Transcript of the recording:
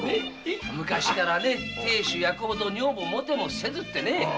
昔から「亭主やくほど女房もてもせず」ってね。